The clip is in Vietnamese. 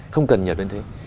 không cần nhập lên thế